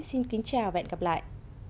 xin kính chào và hẹn gặp lại